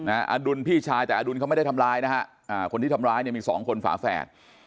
อดุลพี่ชายแต่อดุลเขาไม่ได้ทำร้ายนะฮะคนที่ทำร้ายเนี่ยมีสองคนฝาแฝด